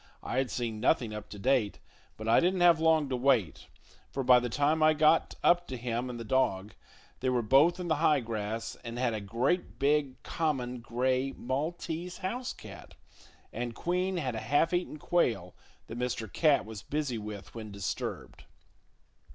I had seen nothing up to date, but I didn't have long to wait, for by the time I got up to him and the dog, they were both in the high grass and had a great, big, common gray maltese house cat; and Queen had a half eaten quail that Mr. Cat was busy with when disturbed.